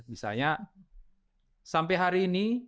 misalnya sampai hari ini